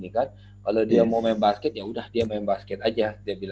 kalau dia mau main basket ya udah dia main basket aja